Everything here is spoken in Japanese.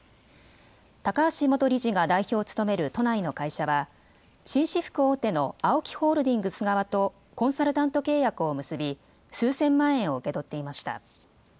高橋元理事が代表を務める都内の会社は紳士服大手のＡＯＫＩホールディングス側とコンサルタント契約を結び数千万円を受け取っていました。